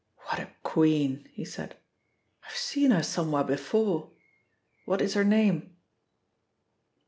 "What a queen!" he said. "I've seen her somewhere before. What is her name?"